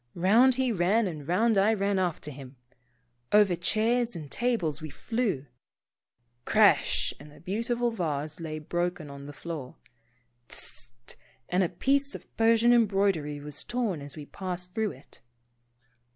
Round he ran and round I ran after him. Over chairs and tables we flew !" Crash;' and a beautiful vase lay broken on the floor. " Tsssf," and a 198 Pomposity. piece of Persian embroidery was torn as we passed through it.